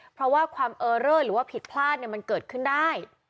เพราะว่าความเออเลอร์หรือว่าผิดพลาดมันเกิดขึ้นได้